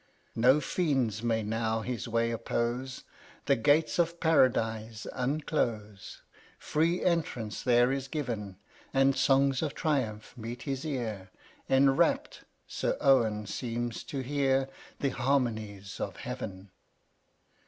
29. No Fiends may now his way oppose ; The gates of Paradise unclose ; Free entrance there is given ; And songs of triumph meet his ear , Enrapt, Sir Owen seems to hear The harmonies of Heaven.